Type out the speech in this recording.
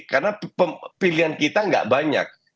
karena pilihan kita enggak banyak